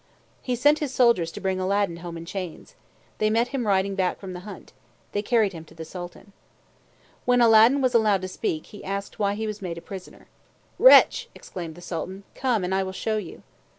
He sent his soldiers to bring Aladdin home in chains. They met him riding back from the hunt. They carried him to the Sultan. When Aladdin was allowed to speak, he asked why he was made prisoner. "Wretch!" exclaimed the Sultan. "Come and I will show you."